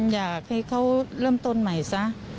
อยากให้เขาเริ่มต้นใหม่ซะ